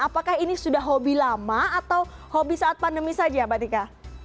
apakah ini sudah hobi lama atau hobi saat pandemi saja mbak tika